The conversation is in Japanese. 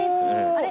あれ？